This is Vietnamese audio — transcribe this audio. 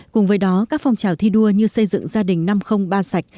cùng với đó các phong trào thi đua như xây dựng gia đình năm trăm linh ba sạch